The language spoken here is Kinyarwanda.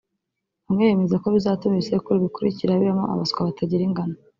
bamwe bemeza ko bizatuma ibisekuru bikurikira bibamo abaswa batagira ingano